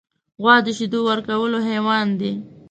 غوا د شیدو ورکولو حیوان دی.